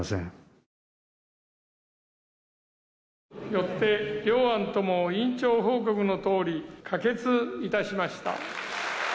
よって、両案とも委員長報告のとおり可決いたしました。